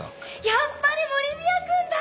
やっぱり森宮君だ！